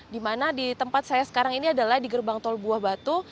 di mana di tempat saya sekarang ini adalah di gerbang tol buah batu